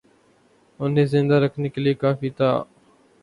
انہیں زندہ رکھنے کے لیے کافی تھا